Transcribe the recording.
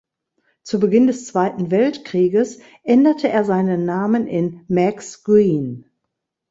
Zu Beginn des Zweiten Weltkrieges änderte er seinen Namen in "Max Greene".